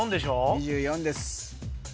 ２４です